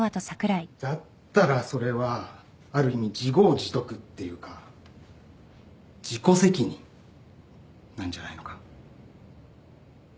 だったらそれはある意味自業自得っていうか自己責任なんじゃないのか？